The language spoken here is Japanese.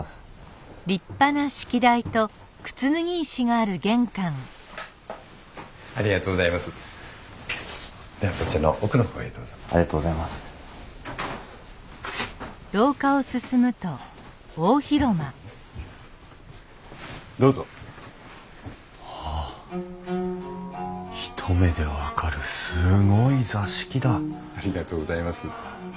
ありがとうございます。